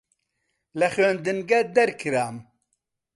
لە خوێندنگە دەرکرام.